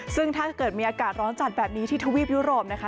ซึ่งถ้าเกิดมีอากาศร้อนจัดแบบนี้ที่ทวีปยุโรปนะคะ